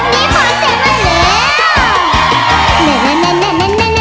แบบนี้ผ่อนเสร็จมาแล้ว